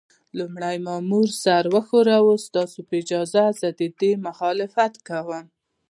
لومړي مامور سر وښوراوه: ستاسو په اجازه، زه د دې مخالفت کوم.